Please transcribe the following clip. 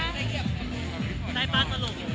ใช้ปัสมะหลุม